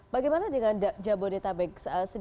bagaimana dengan jabodetabek